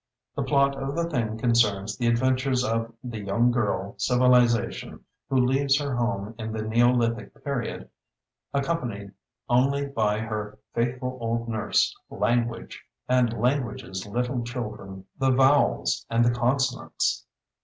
The plot of the thing concerns the adventures of the young girl Civilization who leaves her home in the Neolithic Period accompanied only by her faithful old nurse Language and Language's little children the Vowels and the Consonants.